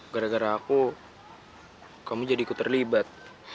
gara gara aku kamu jadi ikut terlibat